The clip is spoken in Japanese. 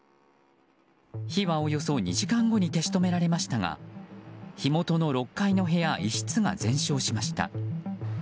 火はおよそ２時間後に消し止められましたが火元の６階の部屋１室が全焼しました。